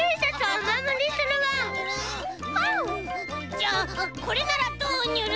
じゃあこれならどうニュル？